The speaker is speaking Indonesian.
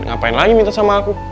ngapain lagi minta sama aku